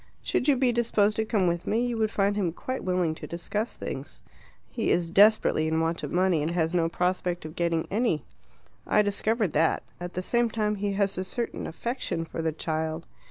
Should you be disposed to come with me, you would find him quite willing to discuss things. He is desperately in want of money, and has no prospect of getting any. I discovered that. At the same time, he has a certain affection for the child."